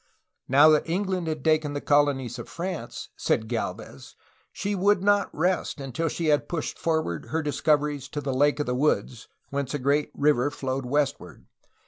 Now that England had taken the colonies of France, said Gdlvez, she would not rest until she had pushed forward her discoveries to the Lake of the Woods, whence a great river flowed westward.